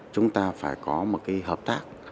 chúng ta phải có một cái hợp tác